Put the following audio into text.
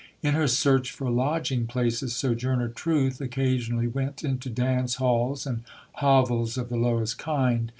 In her search for lodging places, Sojourner Truth occasionally went into dance halls and hovels of the lowest kind.